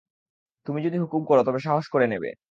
তুমি যদি হুকুম কর তবে সাহস করে নেবে।